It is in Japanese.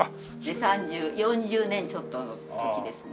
３０４０年ちょっとの時ですね。